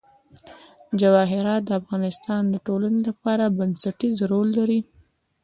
جواهرات د افغانستان د ټولنې لپاره بنسټيز رول لري.